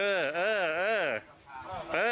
เออเออ